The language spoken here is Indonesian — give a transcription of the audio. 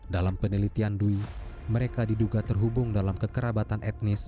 dalam penelitian dwi mereka diduga terhubung dalam kekerabatan etnis